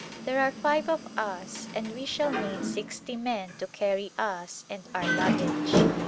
There are five of us and we shall need sixty men to carry us and our luggage.